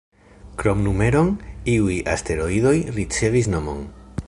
Krom numeron, iuj asteroidoj ricevis nomon.